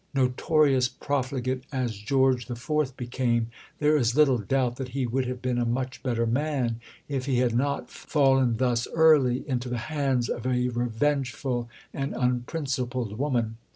Notorious profligate as George IV. became, there is little doubt that he would have been a much better man if he had not fallen thus early into the hands of a revengeful and unprincipled woman.